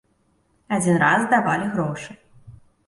Адзін раз давалі грошы.